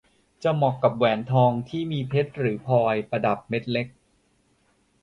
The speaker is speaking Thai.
จะเหมาะกับแหวนทองที่มีเพชรหรือพลอยประดับเม็ดเล็ก